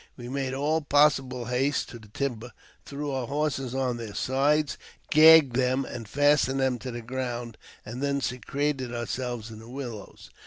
We made aU. possible haste to the timber, threw our horses on their sides,, gagged them and fastened them to the ground, and then secreted, ourselves in the willows.